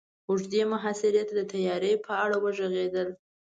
اوږدې محاصرې ته د تياري په اړه وغږېدل.